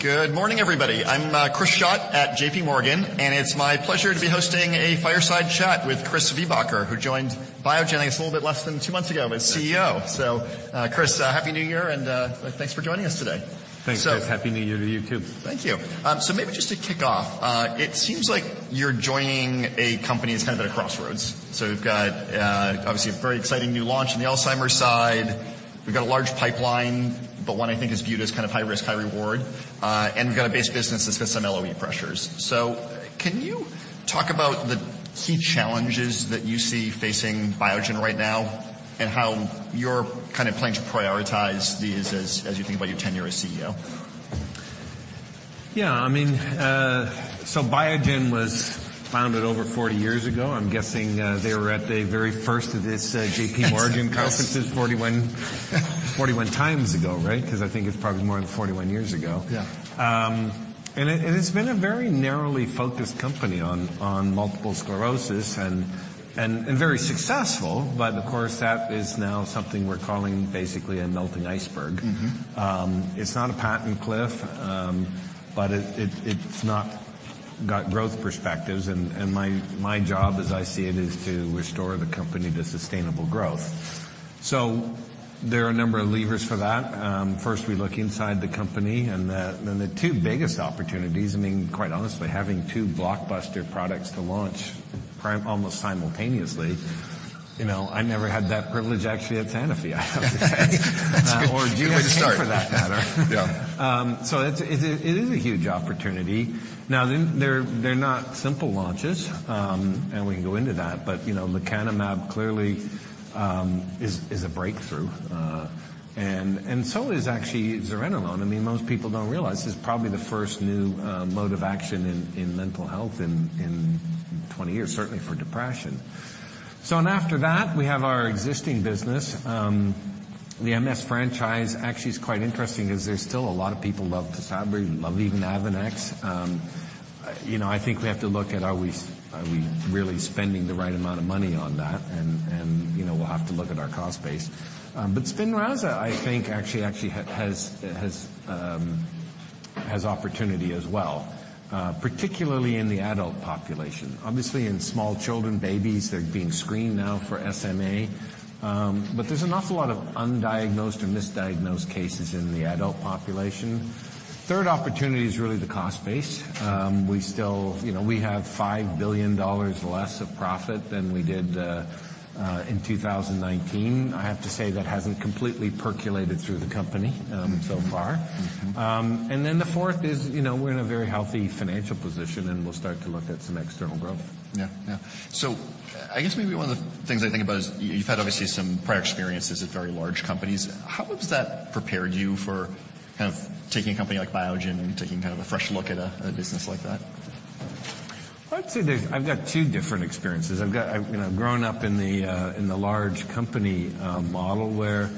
Good morning, everybody. I'm, Christopher Schott at JP Morgan, and it's my pleasure to be hosting a fireside chat with Christopher Viehbacher, who joined Biogen, I guess, a little bit less than two months ago- That's right. As CEO. Chris, happy New Year, thanks for joining us today. Thanks, Chris. Happy New Year to you, too. Thank you. Maybe just to kick off, it seems like you're joining a company that's kind of at a crossroads. We've got, obviously a very exciting new launch on the Alzheimer's side. We've got a large pipeline, but one I think is viewed as kind of high risk, high reward. We've got a base business that's got some LOE pressures. Can you talk about the key challenges that you see facing Biogen right now and how you're kind of planning to prioritize these as you think about your tenure as CEO? Yeah. I mean, Biogen was founded over 40 years ago. I'm guessing, they were at the very first of this, JP Morgan conferences. Yes. 41x ago, right? 'Cause I think it's probably more than 41 years ago. Yeah. It's been a very narrowly focused company on multiple sclerosis and very successful. Of course, that is now something we're calling basically a melting iceberg. Mm-hmm. It's not a patent cliff, but it's not got growth perspectives and my job as I see it is to restore the company to sustainable growth. There are a number of levers for that. First, we look inside the company, and the two biggest opportunities, quite honestly, having two blockbuster products to launch almost simultaneously, I never had that privilege at Sanofi. That's a good way to start. Genzyme for that matter. Yeah. It is a huge opportunity. Now, they're not simple launches, and we can go into that. You know, lecanemab clearly is a breakthrough. So is actually zuranolone. I mean, most people don't realize this is probably the first new mode of action in mental health in 20 years, certainly for depression. After that, we have our existing business. The MS franchise actually is quite interesting 'cause there's still a lot of people love TYSABRI and love even AVONEX. You know, I think we have to look at are we really spending the right amount of money on that? You know, we'll have to look at our cost base. SPINRAZA, I think actually has opportunity as well, particularly in the adult population. Obviously in small children, babies, they're being screened now for SMA. There's an awful lot of undiagnosed or misdiagnosed cases in the adult population. Third opportunity is really the cost base. We still, you know, we have $5 billion less of profit than we did in 2019. I have to say that hasn't completely percolated through the company so far. Mm-hmm. The fourth is, you know, we're in a very healthy financial position, and we'll start to look at some external growth. Yeah. Yeah. I guess maybe one of the things I think about is you've had obviously some prior experiences at very large companies. How has that prepared you for kind of taking a company like Biogen and taking kind of a fresh look at a business like that? I'd say I've got two different experiences. I've got You know, growing up in the in the large company model where,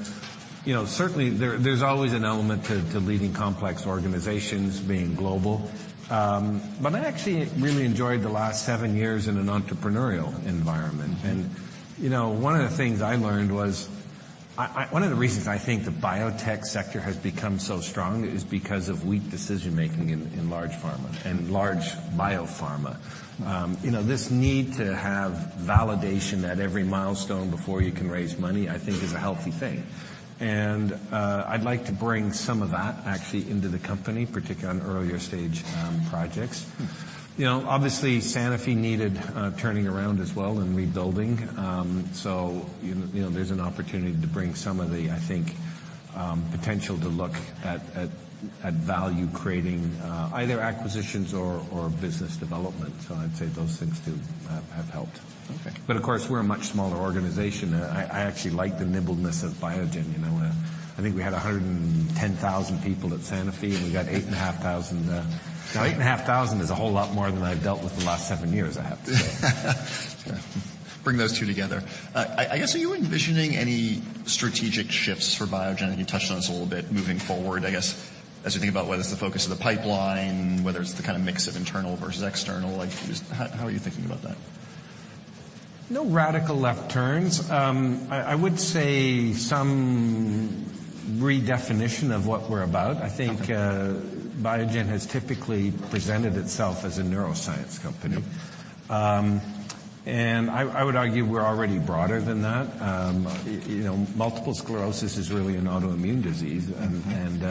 you know, certainly there's always an element to leading complex organizations being global. I actually really enjoyed the last seven years in an entrepreneurial environment. Mm-hmm. You know, one of the things I learned was One of the reasons I think the biotech sector has become so strong is because of weak decision-making in large pharma and large biopharma. You know, this need to have validation at every milestone before you can raise money, I think is a healthy thing. I'd like to bring some of that actually into the company, particularly on earlier stage projects. You know, obviously Sanofi needed turning around as well and rebuilding. You know, there's an opportunity to bring some of the, I think, potential to look at value creating either acquisitions or business development. I'd say those things do, have helped. Okay. Of course, we're a much smaller organization. I actually like the nimbleness of Biogen, you know. I think we had 110,000 people at Sanofi, and we got 8,500. Now 8,500 is a whole lot more than I've dealt with the last seven years, I have to say. Bring those two together. I guess, are you envisioning any strategic shifts for Biogen? You touched on this a little bit moving forward, I guess, as you think about whether it's the kinda mix of internal versus external. Like just how are you thinking about that? No radical left turns. I would say some redefinition of what we're about. Okay. I think, Biogen has typically presented itself as a neuroscience company. Mm-hmm. I would argue we're already broader than that. You know, multiple sclerosis is really an autoimmune disease. Mm-hmm.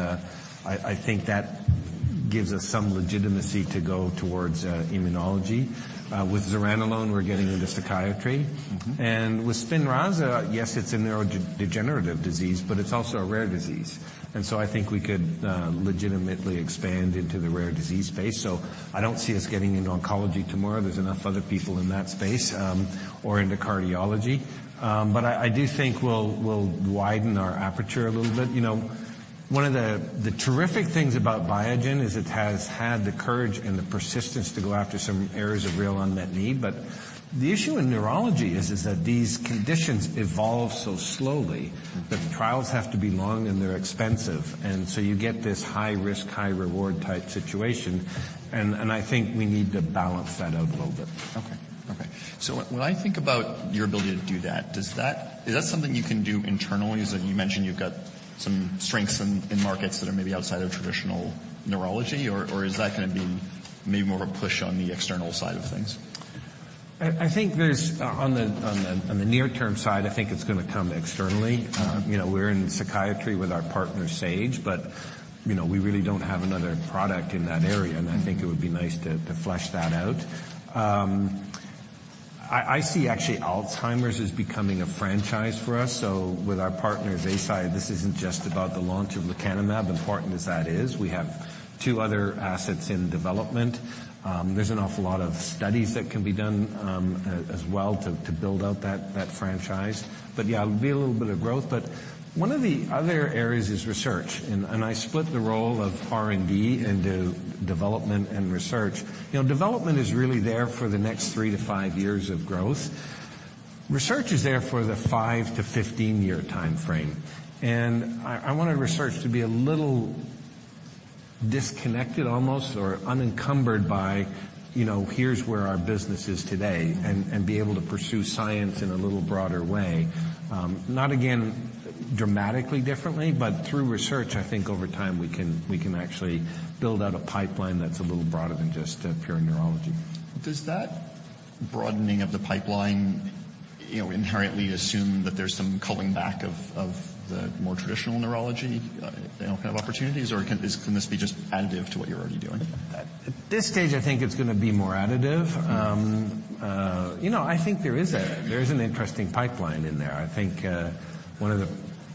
I think that gives us some legitimacy to go towards immunology. With zuranolone, we're getting into psychiatry. Mm-hmm. With SPINRAZA, yes, it's a neurodegenerative disease, but it's also a rare disease. I think we could legitimately expand into the rare disease space. I don't see us getting into oncology tomorrow. There's enough other people in that space, or into cardiology. But I do think we'll widen our aperture a little bit. You know, one of the terrific things about Biogen is it has had the courage and the persistence to go after some areas of real unmet need. The issue in neurology is that these conditions evolve so slowly... Mm-hmm. That the trials have to be long, and they're expensive, and so you get this high-risk, high-reward type situation. I think we need to balance that out a little bit. Okay. When I think about your ability to do that, is that something you can do internally? As you mentioned, you've got some strengths in markets that are maybe outside of traditional neurology or is that gonna be maybe more of a push on the external side of things? I think there's on the near-term side, I think it's gonna come externally. You know, we're in psychiatry with our partner Sage, but, you know, we really don't have another product in that area, and I think it would be nice to flesh that out. I see actually Alzheimer's is becoming a franchise for us, so with our partners, Eisai, this isn't just about the launch of lecanemab, important as that is. We have two other assets in development. There's an awful lot of studies that can be done as well to build out that franchise. Yeah, it'll be a little bit of growth, but one of the other areas is research and I split the role of R&D into development and research. You know, development is really there for the next three to five years of growth. Research is there for the five to 15-year timeframe. I wanted research to be a little disconnected almost or unencumbered by, you know, here's where our business is today, be able to pursue science in a little broader way. Not again dramatically differently, but through research, I think over time, we can actually build out a pipeline that's a little broader than just pure neurology. Does that broadening of the pipeline, you know, inherently assume that there's some culling back of the more traditional neurology, you know, kind of opportunities, or can this be just additive to what you're already doing? At this stage, I think it's gonna be more additive. You know, I think there is an interesting pipeline in there. I think,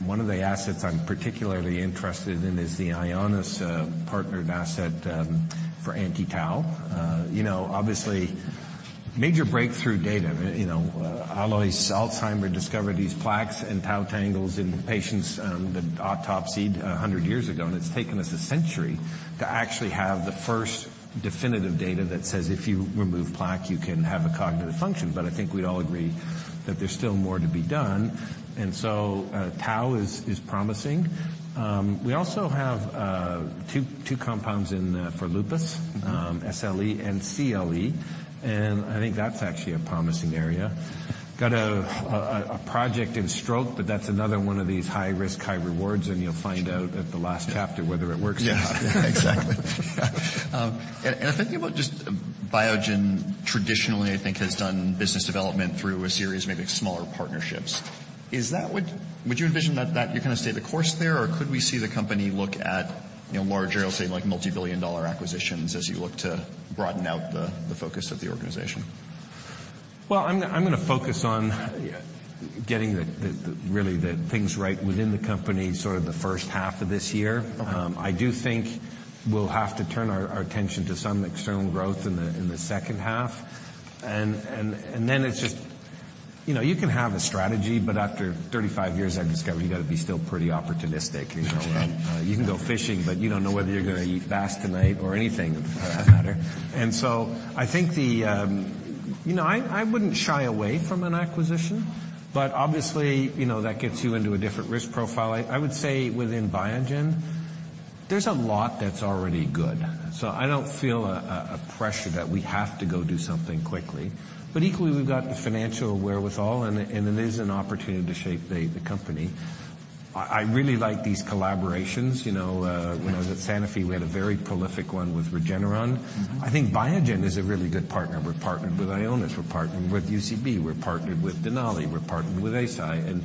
one of the assets I'm particularly interested in is the Ionis partnered asset for anti-tau. You know, obviously major breakthrough data. You know, Alois Alzheimer discovered these plaques and tau tangles in patients that autopsied 100 years ago, and it's taken us a century to actually have the first definitive data that says if you remove plaque, you can have a cognitive function. I think we'd all agree that there's still more to be done. Tau is promising. We also have two compounds in for lupus, SLE and CLE, and I think that's actually a promising area. Got a project in stroke. That's another one of these high-risk, high rewards, and you'll find out at the last chapter whether it works or not. Yeah. Exactly. I'm thinking about just Biogen traditionally, I think, has done business development through a series of maybe smaller partnerships. Is that Would you envision that you're gonna stay the course there, or could we see the company look at, you know, larger, I'll say, like multi-billion dollar acquisitions as you look to broaden out the focus of the organization? Well, I'm gonna focus on getting the really the things right within the company sort of the first half of this year. Okay. I do think we'll have to turn our attention to some external growth in the second half. Then it's just. You know, you can have a strategy, but after 35 years, I've discovered you gotta be still pretty opportunistic, you know? Right. You can go fishing, but you don't know whether you're gonna eat bass tonight or anything for that matter. I think the... You know, I wouldn't shy away from an acquisition, but obviously, you know, that gets you into a different risk profile. I would say within Biogen, there's a lot that's already good, so I don't feel a pressure that we have to go do something quickly. Equally, we've got the financial wherewithal and it is an opportunity to shape the company. I really like these collaborations. You know, when I was at Sanofi, we had a very prolific one with Regeneron. Mm-hmm. I think Biogen is a really good partner. We're partnered with Ionis. We're partnered with UCB. We're partnered with Denali. We're partnered with Eisai.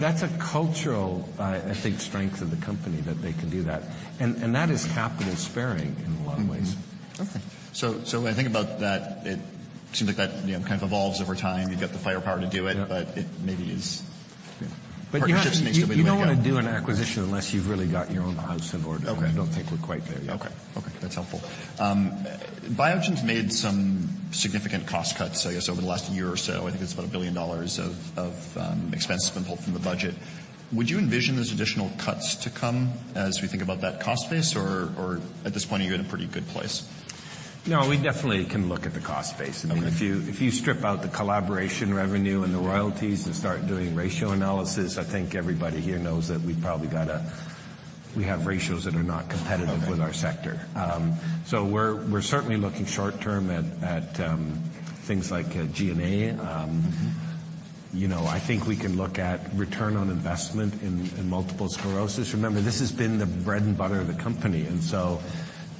That's a cultural, I think strength of the company that they can do that. That is capital sparing in a lot of ways. Mm-hmm. Okay. When I think about that, it seems like that, you know, kind of evolves over time. You've got the firepower to do it. Yeah. You know, partnerships needs to be looked at. You don't, you don't wanna do an acquisition unless you've really got your own house in order. Okay. I don't think we're quite there yet. Okay. Okay, that's helpful. Biogen's made some significant cost cuts, I guess, over the last year or so. I think it's about $1 billion of expenses been pulled from the budget. Would you envision there's additional cuts to come as we think about that cost base, or at this point, are you in a pretty good place? No, we definitely can look at the cost base. Okay. I mean, if you strip out the collaboration revenue and the royalties and start doing ratio analysis, I think everybody here knows that we probably have ratios that are not competitive. Okay. with our sector. We're certainly looking short term at things like G&A. Mm-hmm. You know, I think we can look at return on investment in multiple sclerosis. Remember, this has been the bread and butter of the company, and so,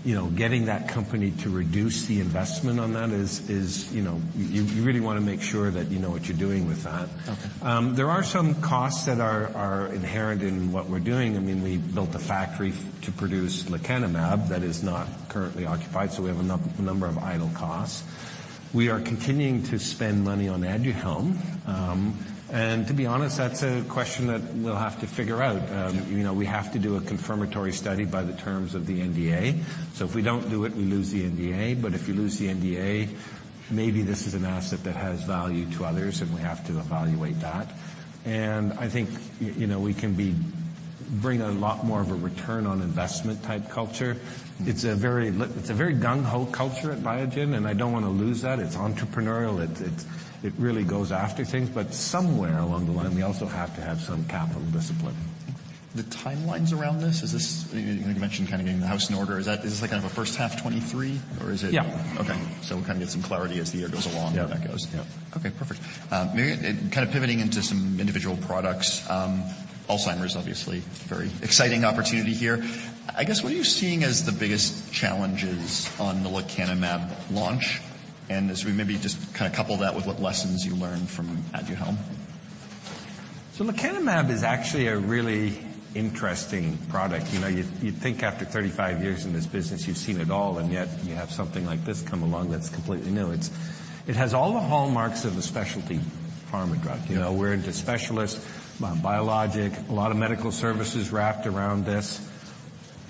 you know, getting that company to reduce the investment on that is, you know. You really wanna make sure that you know what you're doing with that. Okay. There are some costs that are inherent in what we're doing. I mean, we built a factory to produce lecanemab that is not currently occupied, we have a number of idle costs. We are continuing to spend money on Aduhelm. To be honest, that's a question that we'll have to figure out. You know, we have to do a confirmatory study by the terms of the NDA. If we don't do it, we lose the NDA, if you lose the NDA, maybe this is an asset that has value to others, we have to evaluate that. I think, you know, we can bring a lot more of a return on investment type culture. It's a very gung-ho culture at Biogen, I don't wanna lose that. It's entrepreneurial. It really goes after things, but somewhere along the line, we also have to have some capital discipline. The timelines around this, is this, you know, you mentioned kind of getting the house in order. Is that, is this like kind of a first half 23? Yeah. Okay. We'll kind of get some clarity as the year goes along. Yeah how that goes. Yeah. Okay, perfect. Maybe kind of pivoting into some individual products. Alzheimer's obviously very exciting opportunity here. I guess, what are you seeing as the biggest challenges on the lecanemab launch, as we maybe just kinda couple that with what lessons you learned from Aduhelm? Lecanemab is actually a really interesting product. You know, you'd think after 35 years in this business, you've seen it all, and yet you have something like this come along that's completely new. It has all the hallmarks of a specialty pharma drug. You know, we're into specialist, biologic, a lot of medical services wrapped around this,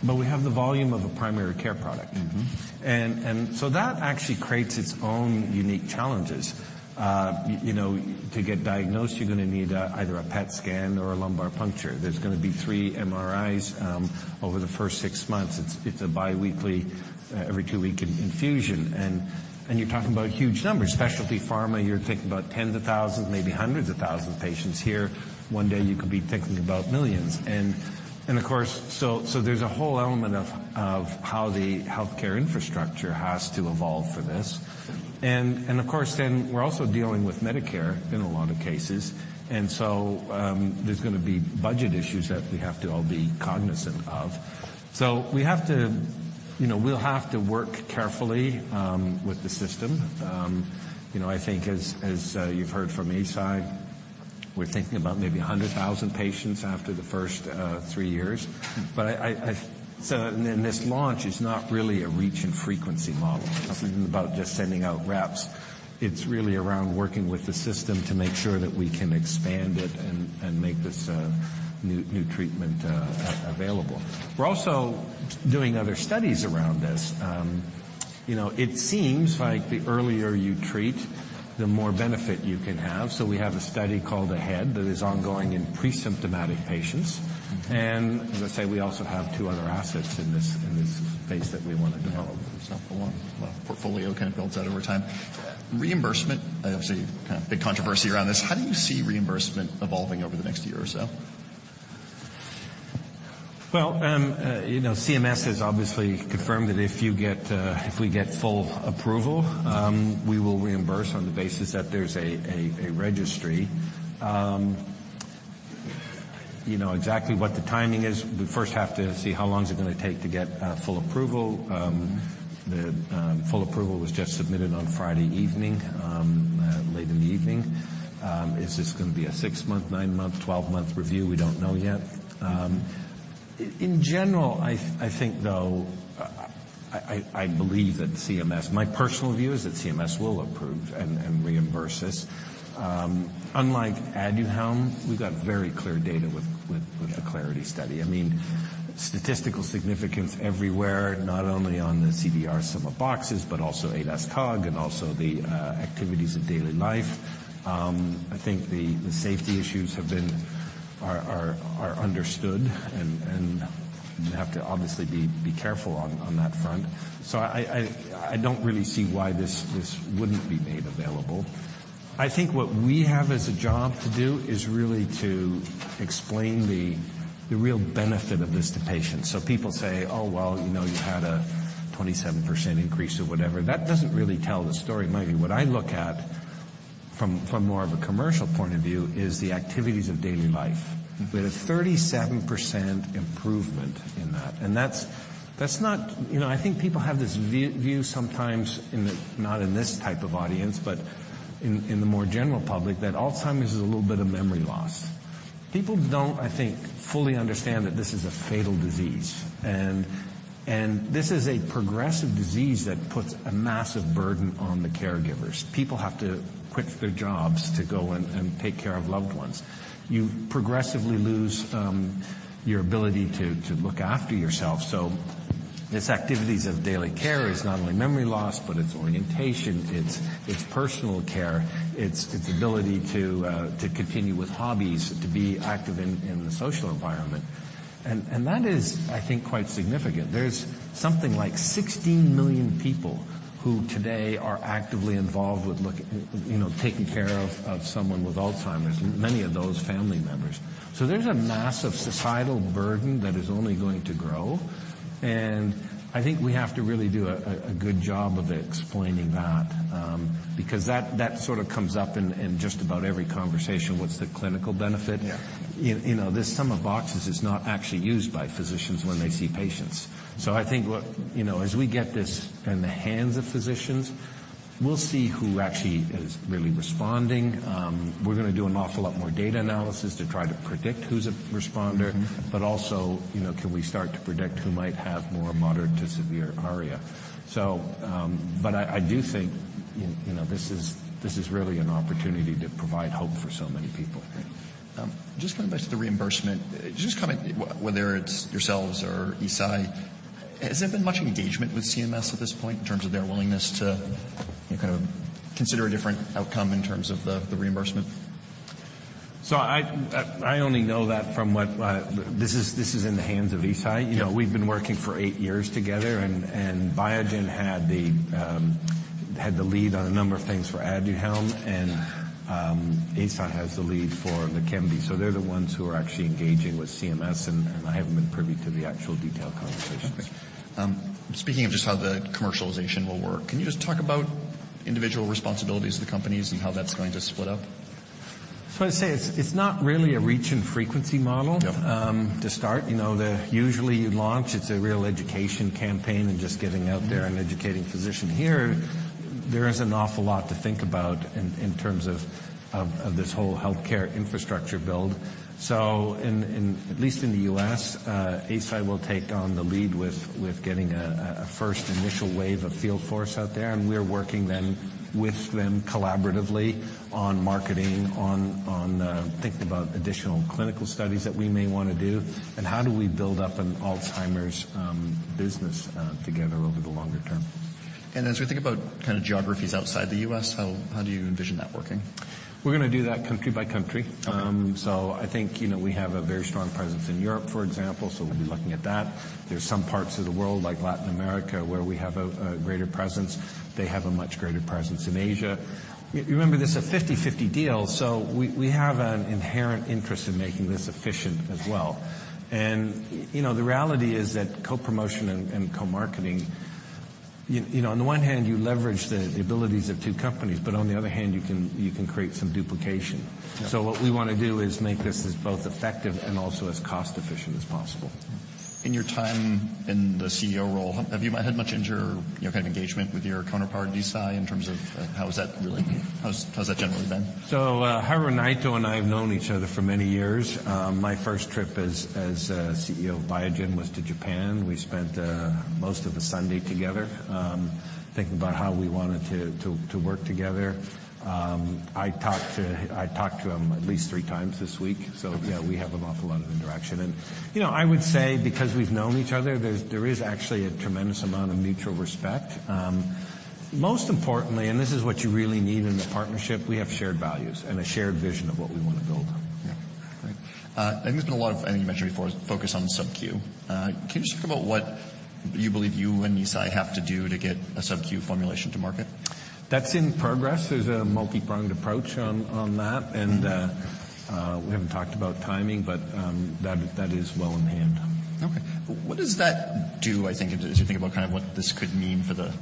but we have the volume of a primary care product. Mm-hmm. So that actually creates its own unique challenges. you know, to get diagnosed, you're gonna need either a PET scan or a lumbar puncture. There's gonna be three MRIs over the first six months. It's a biweekly, every two-week infusion. You're talking about huge numbers. Specialty pharma, you're thinking about tens of thousands, maybe hundreds of thousands of patients here. One day you could be thinking about millions. Of course. There's a whole element of how the healthcare infrastructure has to evolve for this. Of course, then we're also dealing with Medicare in a lot of cases. There's gonna be budget issues that we have to all be cognizant of. We have to, you know, we'll have to work carefully with the system. You know, I think as you've heard from Eisai, we're thinking about maybe 100,000 patients after the first three years. This launch is not really a reach and frequency model. Okay. This isn't about just sending out reps. It's really around working with the system to make sure that we can expand it and make this new treatment available. We're also doing other studies around this. You know, it seems like the earlier you treat, the more benefit you can have. We have a study called AHEAD that is ongoing in pre-symptomatic patients. Mm-hmm. As I say, we also have two other assets in this, in this space that we wanna develop. Yeah. The portfolio kind of builds out over time. Reimbursement, obviously, kind of big controversy around this. How do you see reimbursement evolving over the next year or so? You know, CMS has obviously confirmed that if we get full approval. Mm-hmm We will reimburse on the basis that there's a registry. You know exactly what the timing is. We first have to see how long is it gonna take to get full approval. The full approval was just submitted on Friday evening late in the evening. Is this gonna be a six-month, nine-month, 12-month review? We don't know yet. In general, I think, though, I believe that CMS... My personal view is that CMS will approve and reimburse this. Unlike Aduhelm, we've got very clear data with the Clarity study. I mean, statistical significance everywhere, not only on the CDR Sum of Boxes, but also ADAS-Cog and also the activities of daily life. I think the safety issues are understood and you have to obviously be careful on that front. I don't really see why this wouldn't be made available. I think what we have as a job to do is really to explain the real benefit of this to patients. People say, "Oh, well, you know, you had a 27% increase or whatever." That doesn't really tell the story. Maybe what I look at from more of a commercial point of view is the activities of daily life. Mm-hmm. We had a 37% improvement in that, and that's not... You know, I think people have this view sometimes not in this type of audience, but in the more general public, that Alzheimer's is a little bit of memory loss. People don't, I think, fully understand that this is a fatal disease. This is a progressive disease that puts a massive burden on the caregivers. People have to quit their jobs to go and take care of loved ones. You progressively lose your ability to look after yourself. So this activities of daily care is not only memory loss, but it's orientation, it's personal care, it's ability to continue with hobbies, to be active in the social environment. That is, I think, quite significant. There's something like 16 million people who today are actively involved with you know, taking care of someone with Alzheimer's, many of those family members. There's a massive societal burden that is only going to grow. I think we have to really do a good job of explaining that, because that sort of comes up in just about every conversation, what's the clinical benefit? Yeah. You know, this Sum of Boxes is not actually used by physicians when they see patients. I think what, you know, as we get this in the hands of physicians, we'll see who actually is really responding. We're gonna do an awful lot more data analysis to try to predict who's a responder. Mm-hmm. you know, can we start to predict who might have more moderate to severe ARIA? but I do think, you know, this is really an opportunity to provide hope for so many people. Great. just going back to the reimbursement, just comment whether it's yourselves or Eisai, has there been much engagement with CMS at this point in terms of their willingness to, you know, kind of consider a different outcome in terms of the reimbursement? I only know that from what, this is in the hands of Eisai. Yeah. You know, we've been working for eight years together, and Biogen had the lead on a number of things for Aduhelm, and Eisai has the lead for Leqembi. They're the ones who are actually engaging with CMS, and I haven't been privy to the actual detailed conversations. Okay. speaking of just how the commercialization will work, can you just talk about individual responsibilities of the companies and how that's going to split up? I'd say it's not really a reach and frequency model. Yep. To start. You know, usually you launch, it's a real education campaign and just getting out there and educating physicians. Here, there is an awful lot to think about in terms of this whole healthcare infrastructure build. At least in the U.S., Eisai will take on the lead with getting a first initial wave of field force out there, and we're working then with them collaboratively on marketing, on thinking about additional clinical studies that we may wanna do, and how do we build up an Alzheimer's business together over the longer term. As we think about kind of geographies outside the U.S., how do you envision that working? We're gonna do that country by country. Okay. I think, you know, we have a very strong presence in Europe, for example, so we'll be looking at that. There's some parts of the world like Latin America where we have a greater presence. They have a much greater presence in Asia. Remember, this is a 50/50 deal, so we have an inherent interest in making this efficient as well. You know, the reality is that co-promotion and co-marketing, you know, on the one hand, you leverage the abilities of two companies, but on the other hand, you can create some duplication. Yeah. What we wanna do is make this as both effective and also as cost efficient as possible. In your time in the CEO role, have you had much you know, kind of engagement with your counterpart at Eisai in terms of how is that relating? How's that generally been? Haruo Naito and I have known each other for many years. My first trip as CEO of Biogen was to Japan. We spent most of a Sunday together, thinking about how we wanted to work together. I talked to him at least three times this week. Okay. Yeah, we have an awful lot of interaction. You know, I would say because we've known each other, there is actually a tremendous amount of mutual respect. Most importantly, this is what you really need in a partnership, we have shared values and a shared vision of what we wanna build. Yeah. Great. I think there's been a lot of, I think you mentioned before, focus on subQ. Can you just talk about what you believe you and Eisai have to do to get a subQ formulation to market? That's in progress. There's a multi-pronged approach on that. Mm-hmm. We haven't talked about timing, but, that is well in hand. Okay. What does that do, I think, as you think about kind of what this could mean for the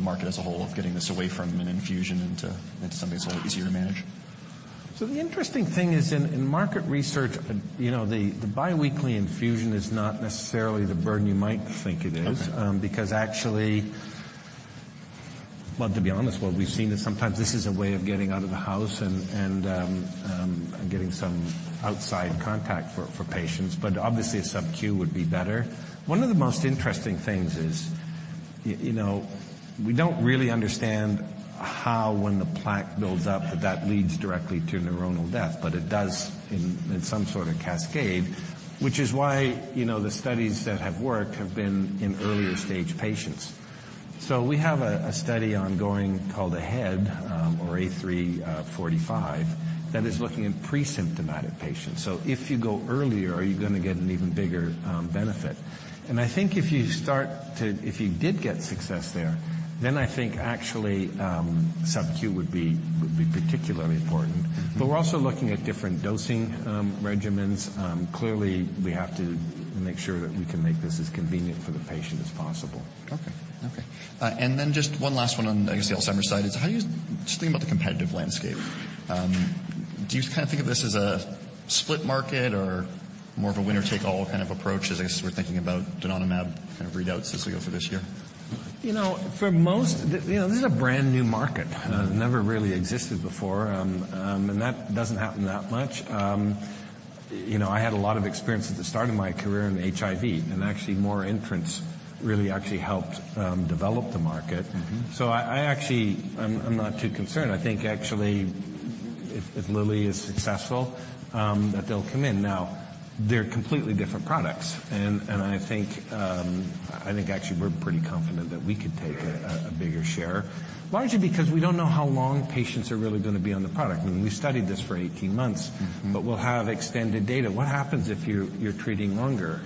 market as a whole of getting this away from an infusion into something that's a little easier to manage? The interesting thing is in market research, you know, the biweekly infusion is not necessarily the burden you might think it is. Okay. Because actually... Well, to be honest, what we've seen is sometimes this is a way of getting out of the house and getting some outside contact for patients. Obviously a subQ would be better. One of the most interesting things is, you know, we don't really understand how when the plaque builds up that leads directly to neuronal death, but it does in some sort of cascade, which is why, you know, the studies that have worked have been in earlier stage patients. We have a study ongoing called AHEAD, or A 3-45, that is looking at pre-symptomatic patients. If you go earlier, are you gonna get an even bigger benefit? I think if you did get success there, then I think actually, subQ would be particularly important. Mm-hmm. We're also looking at different dosing regimens. Clearly, we have to make sure that we can make this as convenient for the patient as possible. Okay. Okay. Then just one last one on, I guess, the Alzheimer's side is how do you just think about the competitive landscape? Do you kind of think of this as a split market or more of a winner-take-all kind of approach as I guess we're thinking about donanemab kind of readouts as we go through this year? You know, this is a brand-new market. Mm-hmm. It never really existed before. That doesn't happen that much. You know, I had a lot of experience at the start of my career in HIV. Actually more entrants really actually helped develop the market. Mm-hmm. I actually, I'm not too concerned. I think actually if Lilly is successful, that they'll come in. They're completely different products, and I think, I think actually we're pretty confident that we could take a bigger share, largely because we don't know how long patients are really gonna be on the product. I mean, we studied this for 18 months. Mm-hmm. We'll have extended data. What happens if you're treating longer?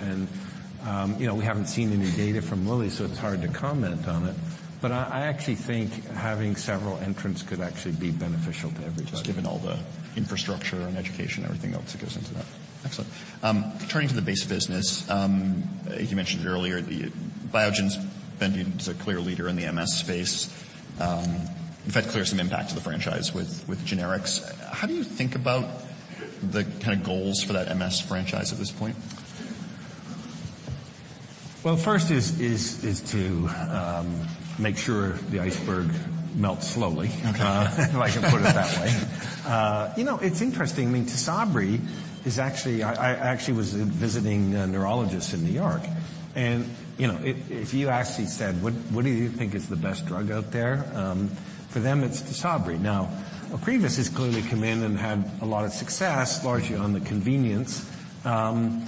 You know, we haven't seen any data from Lilly, so it's hard to comment on it. I actually think having several entrants could actually be beneficial to everybody. Just given all the infrastructure and education and everything else that goes into that. Excellent. Turning to the base business, you mentioned earlier Biogen's been a clear leader in the MS space. You've had clear some impact to the franchise with generics. How do you think about the kinda goals for that MS franchise at this point? Well, first is to make sure the iceberg melts slowly. Okay. If I can put it that way. You know, it's interesting. I mean, TYSABRI is actually... I actually was visiting a neurologist in New York, and, you know, if you actually said, "What do you think is the best drug out there?" For them it's TYSABRI. Now, OCREVUS has clearly come in and had a lot of success, largely on the convenience. You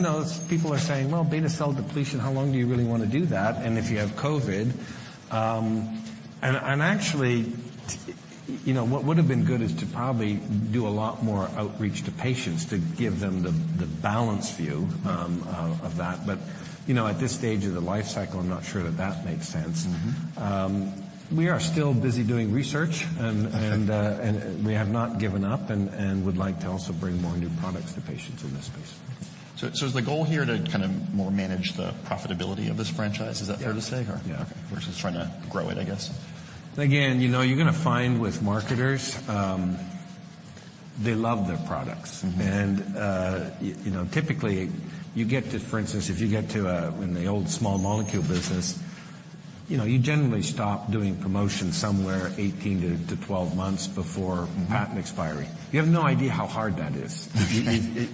know, people are saying, "Well, B-cell depletion, how long do you really wanna do that? And if you have COVID..." Actually, you know, what would've been good is to probably do a lot more outreach to patients to give them the balanced view of that. You know, at this stage of the life cycle, I'm not sure that that makes sense. Mm-hmm. We are still busy doing research, and. Okay. We have not given up and would like to also bring more new products to patients in this space. Is the goal here to kind of more manage the profitability of this franchise? Is that fair to say or? Yeah. Okay. Versus trying to grow it, I guess. Again, you know, you're gonna find with marketers, they love their products. Mm-hmm. You know, typically you get to, For instance, if you get to, in the old small molecule business, you know, you generally stop doing promotions somewhere 18 to 12 months before. Mm-hmm. -patent expiry. You have no idea how hard that is.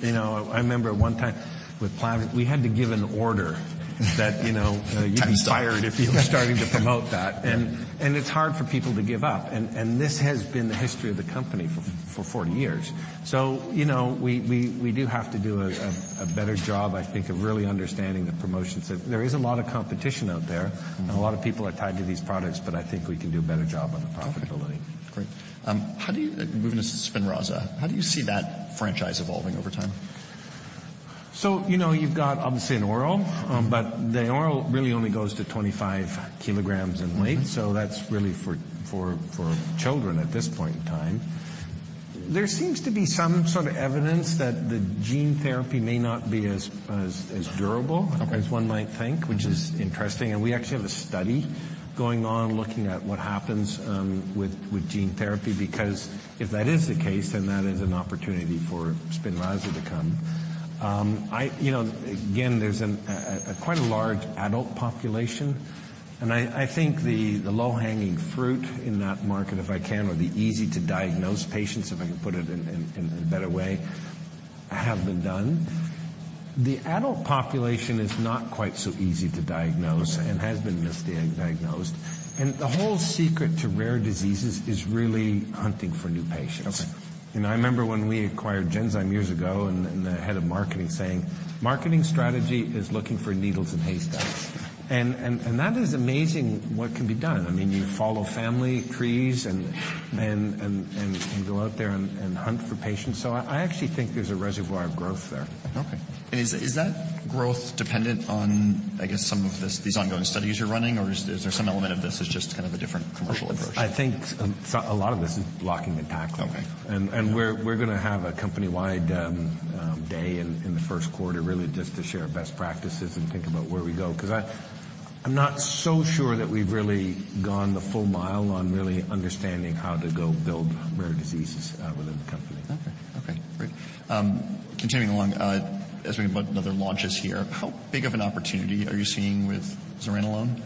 You know, I remember one time with Plavix, we had to give an order that, you know. Time stop. You'd be fired if you started to promote that. Yeah. It's hard for people to give up. This has been the history of the company for 40 years. You know, we do have to do a better job, I think, of really understanding the promotions. There is a lot of competition out there. Mm-hmm. A lot of people are tied to these products, but I think we can do a better job on the profitability. Okay. Great. Moving to SPINRAZA, how do you see that franchise evolving over time? you know, you've got obviously an oral. Mm-hmm. The oral really only goes to 25 kg in weight. Mm-hmm. That's really for children at this point in time. There seems to be some sort of evidence that the gene therapy may not be as durable. Okay. As one might think, which is interesting. We actually have a study going on looking at what happens with gene therapy, because if that is the case, then that is an opportunity for Spinraza to come. You know, again, there's a quite a large adult population, and I think the low-hanging fruit in that market, if I can, or the easy to diagnose patients, if I can put it in, in a better way, have been done. The adult population is not quite so easy to diagnose. Okay. has been misdiagnosed. The whole secret to rare diseases is really hunting for new patients. Okay. You know, I remember when we acquired Genzyme years ago, and the head of marketing saying, "Marketing strategy is looking for needles in haystacks." That is amazing what can be done. I mean, you follow family trees and go out there and hunt for patients. I actually think there's a reservoir of growth there. Okay. Is that growth dependent on, I guess, some of these ongoing studies you're running, or is there some element of this is just kind of a different commercial approach? I think a lot of this is blocking and tackling. Okay. We're gonna have a company-wide day in the first quarter really just to share best practices and think about where we go. 'Cause I'm not so sure that we've really gone the full mile on really understanding how to go build rare diseases within the company. Okay. Okay, great. Continuing along, as we think about other launches here, how big of an opportunity are you seeing with zuranolone?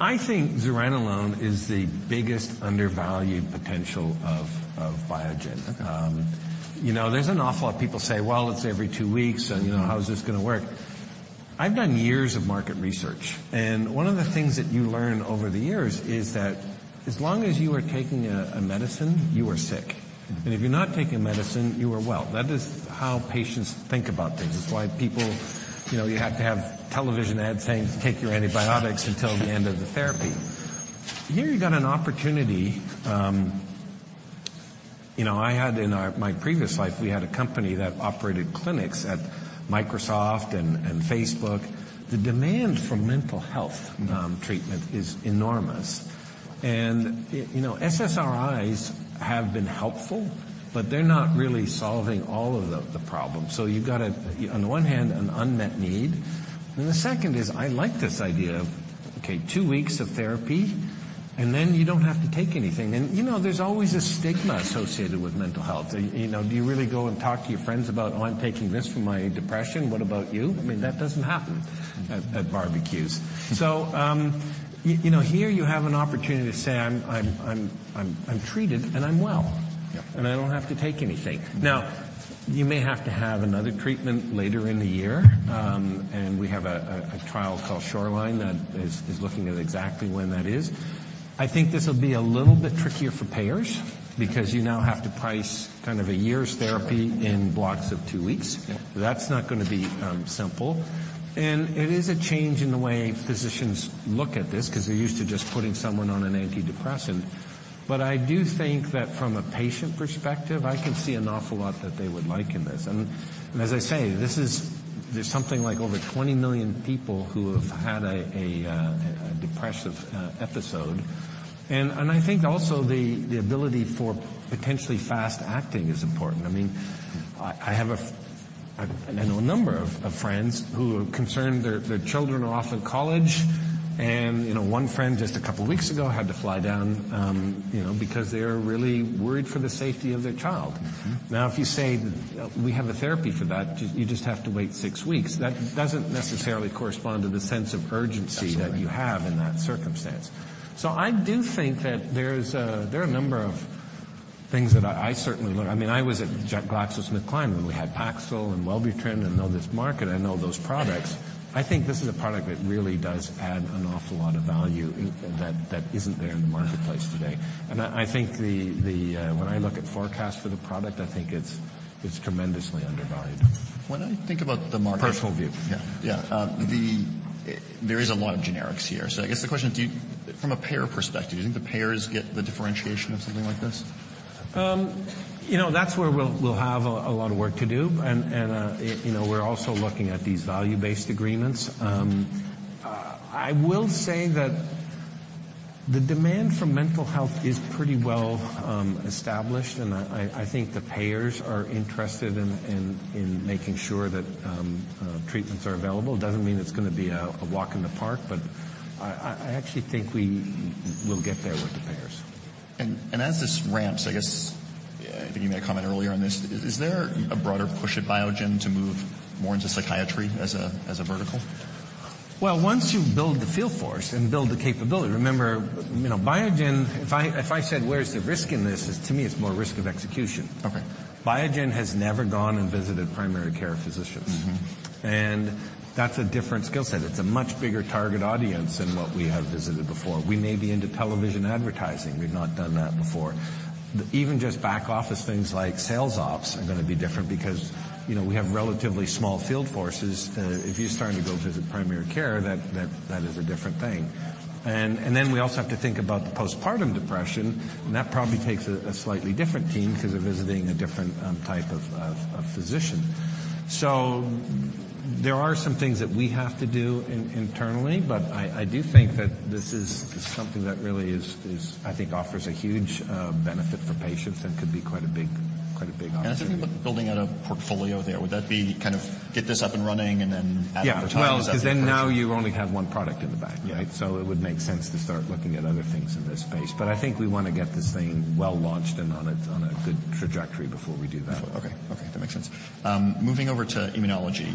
I think zuranolone is the biggest undervalued potential of Biogen. Okay. You know, there's an awful lot of people say, "Well, it's every two weeks, and, you know, how is this gonna work?" I've done years of market research, and one of the things that you learn over the years is that as long as you are taking a medicine, you are sick. Mm-hmm. If you're not taking medicine, you are well. That is how patients think about things. It's why people. You know, you have to have television ads saying, "Take your antibiotics until the end of the therapy." Here you got an opportunity. You know, I had in my previous life, we had a company that operated clinics at Microsoft and Facebook. The demand for mental health treatment is enormous. You know, SSRIs have been helpful, but they're not really solving all of the problems. You've got, on one hand, an unmet need, and the second is I like this idea of, okay, two weeks of therapy, and then you don't have to take anything. You know, there's always a stigma associated with mental health. You know, do you really go and talk to your friends about, "Oh, I'm taking this for my depression. What about you?" I mean, that doesn't happen at barbecues. Mm-hmm. You know, here you have an opportunity to say, "I'm treated and I'm well. Yeah. I don't have to take anything. Now, you may have to have another treatment later in the year, and we have a trial called SHORELINE that is looking at exactly when that is. I think this will be a little bit trickier for payers, because you now have to price kind of a year's therapy. Sure. In blocks of two weeks. Yeah. That's not gonna be simple. It is a change in the way physicians look at this, 'cause they're used to just putting someone on an antidepressant. I do think that from a patient perspective, I can see an awful lot that they would like in this. As I say, there's something like over 20 million people who have had a depressive episode. I think also the ability for potentially fast acting is important. I mean. Mm-hmm. I know a number of friends who are concerned their children are off in college and, you know, one friend just a couple weeks ago had to fly down, you know, because they're really worried for the safety of their child. Mm-hmm. If you say, "We have a therapy for that. You just have to wait six weeks," that doesn't necessarily correspond to the sense of urgency- Absolutely. -that you have in that circumstance. I do think that there are a number of things that I certainly learn. I mean, I was at GlaxoSmithKline when we had PAXIL and WELLBUTRIN. I know this market. I know those products. I think this is a product that really does add an awful lot of value that isn't there in the marketplace today. I think the... When I look at forecast for the product, I think it's tremendously undervalued. When I think about the market- Personal view. Yeah. Yeah. There is a lot of generics here. I guess the question, From a payer perspective, do you think the payers get the differentiation of something like this? You know, that's where we'll have a lot of work to do. It, you know, we're also looking at these value-based agreements. I will say The demand for mental health is pretty well established and I think the payers are interested in making sure that treatments are available. Doesn't mean it's gonna be a walk in the park but I actually think we will get there with the payers. As this ramps, I guess, I think you made a comment earlier on this, is there a broader push at Biogen to move more into psychiatry as a vertical? Well, once you build the field force and build the capability... Remember, you know, Biogen, if I said, where's the risk in this? Is to me it's more risk of execution. Okay. Biogen has never gone and visited primary care physicians. Mm-hmm. That's a different skill set. It's a much bigger target audience than what we have visited before. We may be into television advertising. We've not done that before. Even just back office things like sales ops are gonna be different because, you know, we have relatively small field forces. If you're starting to go visit primary care, that is a different thing. Then we also have to think about the postpartum depression, and that probably takes a slightly different team 'cause they're visiting a different type of physician. There are some things that we have to do internally, but I do think that this is something that really is I think offers a huge benefit for patients and could be quite a big opportunity. I think with building out a portfolio there, would that be kind of get this up and running and then add over time? Is that the approach? Yeah. Well, 'cause now you only have one product in the bank, right? It would make sense to start looking at other things in this space, but I think we wanna get this thing well launched and on a good trajectory before we do that. Okay. Okay. That makes sense. Moving over to immunology,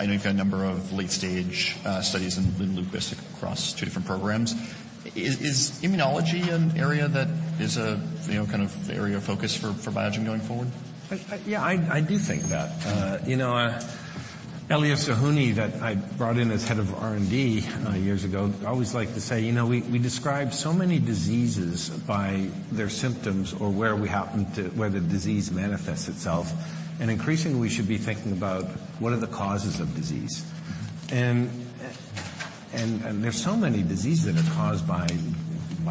I know you've got a number of late stage studies in lupus across two different programs. Is immunology an area that is a, you know, kind of the area of focus for Biogen going forward? Yeah, I do think that. You know, Elias Zerhouni that I brought in as head of R&D, years ago, always liked to say, "You know, we describe so many diseases by their symptoms or where the disease manifests itself, and increasingly we should be thinking about what are the causes of disease. Mm-hmm. There's so many diseases that are caused by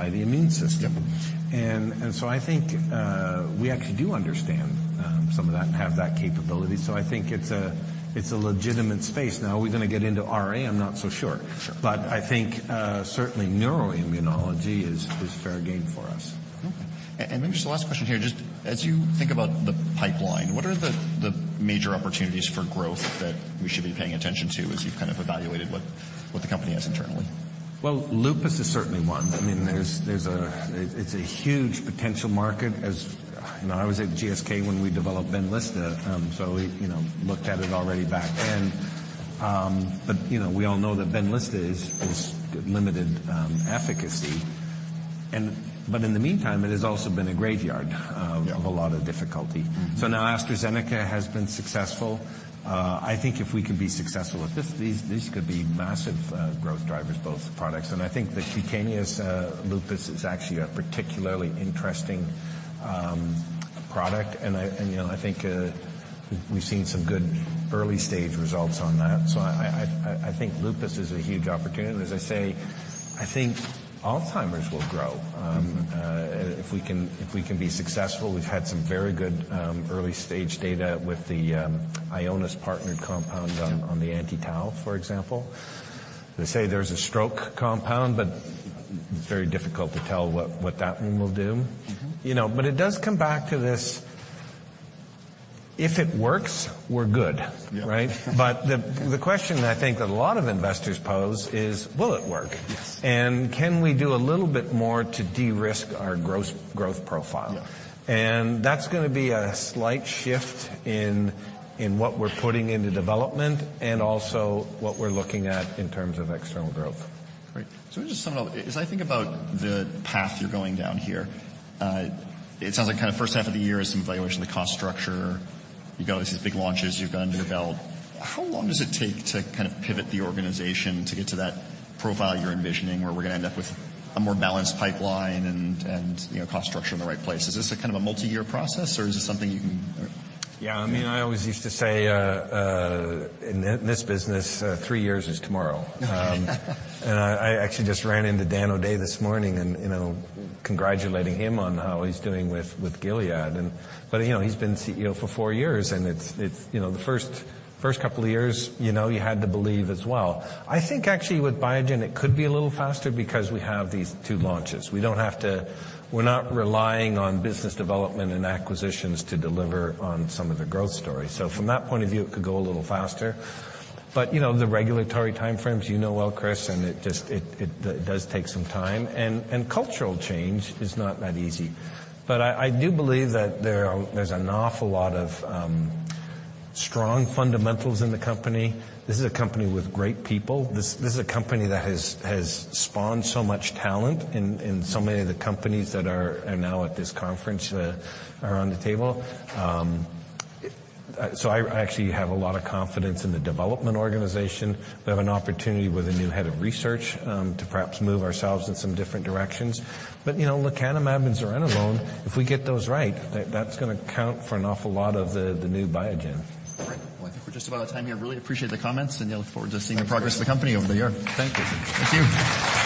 the immune system. Yeah. I think we actually do understand some of that and have that capability. I think it's a legitimate space. Are we gonna get into RA? I'm not so sure. Sure. I think, certainly neuroimmunology is fair game for us. Okay. Maybe just the last question here. Just as you think about the pipeline, what are the major opportunities for growth that we should be paying attention to as you've kind of evaluated what the company has internally? Well, lupus is certainly one. I mean, there's a huge potential market as... You know, I was at GSK when we developed BENLYSTA, we, you know, looked at it already back then. You know, we all know that BENLYSTA is limited efficacy and... In the meantime, it has also been a graveyard- Yeah. of a lot of difficulty. Mm-hmm. Now AstraZeneca has been successful. I think if we can be successful with this, these could be massive growth drivers, both products. I think the [Sikenos lupus] is actually a particularly interesting product, and I, and, you know, I think we've seen some good early stage results on that. I think lupus is a huge opportunity, and as I say, I think Alzheimer's will grow. Mm-hmm. If we can be successful. We've had some very good, early stage data with the Ionis-partnered compound on the anti-tau, for example. They say there's a stroke compound, but very difficult to tell what that one will do. Mm-hmm. You know, it does come back to this, if it works, we're good, right? Yeah. The question I think that a lot of investors pose is, will it work? Yes. Can we do a little bit more to de-risk our gross growth profile? Yeah. That's gonna be a slight shift in what we're putting into development and also what we're looking at in terms of external growth. Great. Just something else. As I think about the path you're going down here, it sounds like kinda first half of the year is some evaluation of the cost structure. You've got obviously these big launches you've got under your belt. How long does it take to kind of pivot the organization to get to that profile you're envisioning, where we're gonna end up with a more balanced pipeline and, you know, cost structure in the right place? Is this a kind of a multi-year process, or is this something you can... Yeah, I mean, I always used to say, in this business, three years is tomorrow. I actually just ran into Dan O'Day this morning, and, you know, congratulating him on how he's doing with Gilead and... You know, he's been CEO for four years, and it's, you know, the first couple of years, you know, you had to believe as well. I think actually with Biogen it could be a little faster because we have these two launches. We're not relying on business development and acquisitions to deliver on some of the growth stories. From that point of view, it could go a little faster. You know, the regulatory timeframes, you know well, Chris, and it just, it does take some time. And cultural change is not that easy. I do believe that there's an awful lot of strong fundamentals in the company. This is a company with great people. This is a company that has spawned so much talent in so many of the companies that are now at this conference around the table. I actually have a lot of confidence in the development organization. We have an opportunity with a new head of research to perhaps move ourselves in some different directions. You know, lecanemab and zuranolone, if we get those right, that's gonna count for an awful lot of the new Biogen. Great. Well, I think we're just about out of time here. Really appreciate the comments, and yeah, look forward to seeing the progress of the company over the year. Thank you. Thank you.